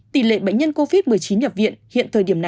tỷ lệ bệnh nhân covid một mươi chín nhập viện